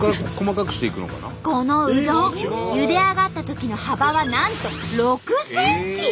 このうどんゆで上がったときの幅はなんと６ｃｍ！